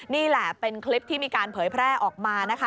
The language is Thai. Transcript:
นี่แหละเป็นคลิปที่มีการเผยแพร่ออกมานะคะ